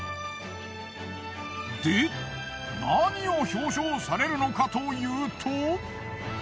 で何を表彰されるのかというと。